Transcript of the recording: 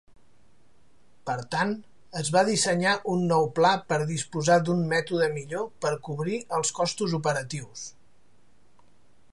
Per tant, es va dissenyar un nou pla per disposar d'un mètode millor per cobrir els costos operatius.